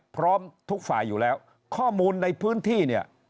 พร้อมทุกฝ่ายอยู่แล้วข้อมูลในพื้นที่เนี่ย